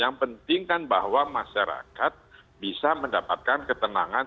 yang penting kan bahwa masyarakat bisa mendapatkan ketenangan